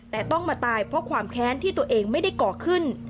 แต่ต้องมาตายเพราะความแค้นที่ตัวเองไม่ได้ก่อขึ้น